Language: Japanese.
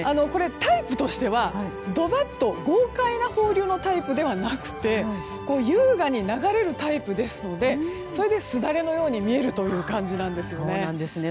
タイプとしてはドバッと豪快な放流のタイプではなくて優雅に流れるタイプですのでそれで、すだれのように見えるという感じなんですよね。